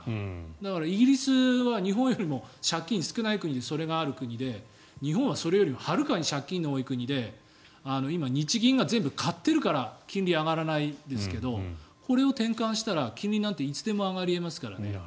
だから、イギリスは日本よりも借金少ない国だけどそれがある国で日本はそれよりもはるかに借金の多い国で今、日銀が全部買ってるから金利が上がらないですけどこれを転換したら金利なんていつでも上がり得ますからね。